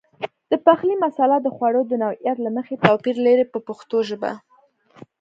د پخلي مساله د خوړو د نوعیت له مخې توپیر لري په پښتو ژبه.